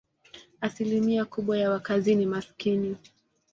Asilimia kubwa ya wakazi ni maskini.